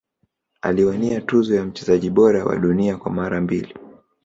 aliwania tuzo ya mchezaji bora wa dunia kwa mara mbili